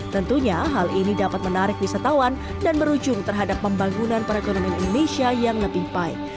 tentunya hal ini dapat menarik wisatawan dan berujung terhadap pembangunan perekonomian indonesia yang lebih baik